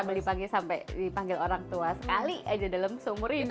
beli pagi sampai dipanggil orang tua sekali aja dalam seumur hidup